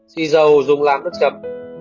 xì dầu dùng làm nước chấm